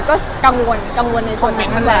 ก็กังวลในส่วนหนักหนัก